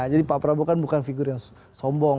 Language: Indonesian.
jadi pak prabowo kan bukan figur yang sombong